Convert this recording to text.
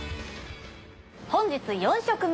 本日４食目！